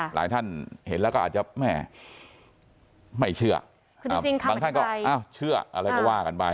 หลายท่านเห็นแล้วก็อาจจะไม่เชื่อคือจริงค่ะบางท่านก็เชื่ออะไรก็ว่ากันไป